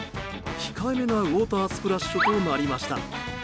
控えめなウォータースプラッシュとなりました。